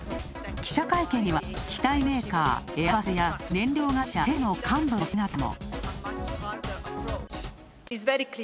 記者会見には、機体メーカー、エアバスや、燃料会社シェルの幹部の姿も。